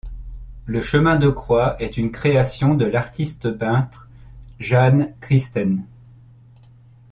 Le chemin de croix est une création de l'artiste-peintre Jeanne Christen.